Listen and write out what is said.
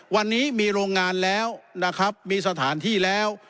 วันนี้มีโรงงานแล้วนะครับมีสถานที่แล้ว